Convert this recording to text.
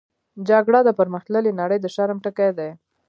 جګړه د پرمختللې نړۍ د شرم ټکی دی